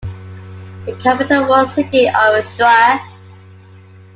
The capital was city of Suar.